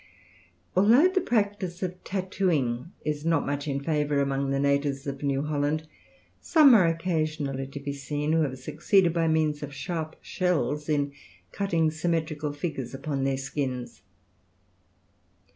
Although the practice of tattooing is not much in favour among the natives of New Holland, some are occasionally to be seen who have succeeded by means of sharp shells in cutting symmetrical figures upon their skins.